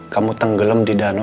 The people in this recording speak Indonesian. kamu tenggelam di danau